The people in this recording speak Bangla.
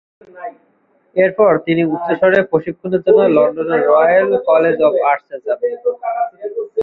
এর পর তিনি উচ্চতর প্রশিক্ষণের জন্য লন্ডনের রয়েল কলেজ অব আর্টস্ এ যান।